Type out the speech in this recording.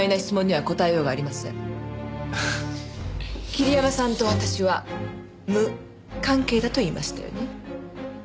桐山さんと私は無関係だと言いましたよね？